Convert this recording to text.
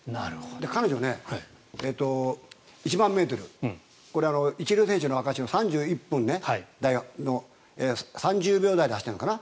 彼女は１００００ｍ一流選手の証しの３０秒台で走ってるのかな。